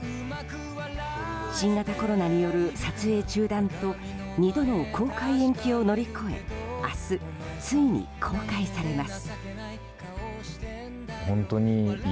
新型コロナによる撮影中断と二度の公開延期を乗り越え明日、ついに公開されます。